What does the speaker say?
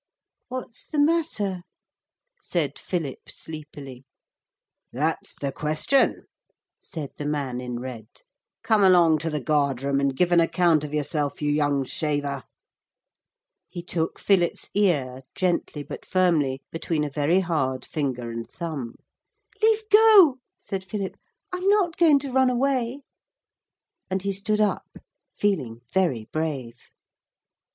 'What's the matter?' said Philip sleepily. 'That's the question,' said the man in red. 'Come along to the guard room and give an account of yourself, you young shaver.' He took Philip's ear gently but firmly between a very hard finger and thumb. 'Leave go,' said Philip, 'I'm not going to run away.' And he stood up feeling very brave.